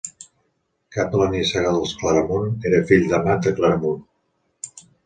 Cap de la nissaga dels Claramunt, era fill d'Amat de Claramunt.